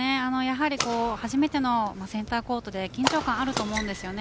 初めてのセンターコートで緊張感はあると思うんですよね。